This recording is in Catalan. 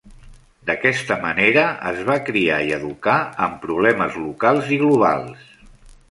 D'aquesta manera, es va criar i educar amb problemes locals i globals.